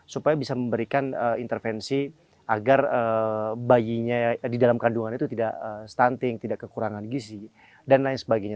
supaya bisa memberikan intervensi agar bayinya di dalam kandungan itu tidak stunting tidak kekurangan gizi dan lain sebagainya